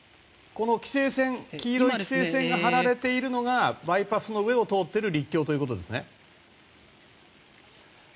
黄色い規制線が張られているのがバイパスの上を通っている陸橋ということですね。